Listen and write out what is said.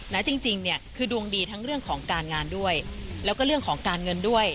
จริงจริงเนี่ยคือดวงดีทั้งเรื่องของการงานด้วยแล้วก็เรื่องของการเงินด้วย